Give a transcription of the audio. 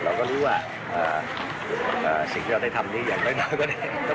เราก็รู้ว่าสิ่งที่เราได้ทำนี้อย่างน้อยก็ได้